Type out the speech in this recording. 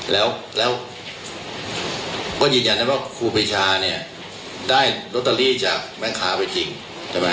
แล้วก็ยืนยันได้ว่าครูฟิชาเนี่ยได้เลวเทอรี่จ่ายแม่งค้าไปจริงใช่มั้ยฮะ